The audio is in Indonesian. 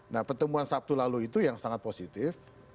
nah pertemuan sabtu lalu itu yang sangat positif